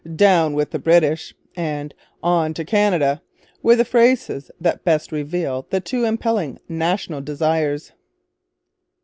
'Down with the British' and 'On to Canada' were the phrases that best reveal the two impelling national desires.